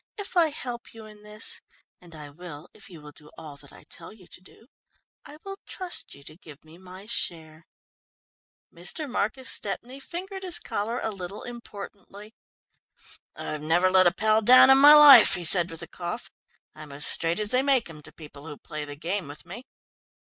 "If I help you in this and I will if you will do all that I tell you to do I will trust you to give me my share." Mr. Marcus Stepney fingered his collar a little importantly. "I've never let a pal down in my life," he said with a cough. "I'm as straight as they make 'em, to people who play the game with me."